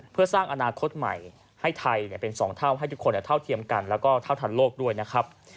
เพื่อสร้างอนาคตใหม่ให้ไทยเป็น๒เท่าให้ทุกคนเท่าเทียมกันแล้วก็เท่าทันโลกด้วยนะครับ